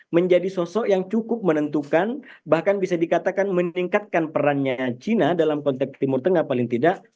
menjadi sosok yang cukup menentukan bahkan bisa dikatakan meningkatkan perannya china dalam konteks timur tengah paling tidak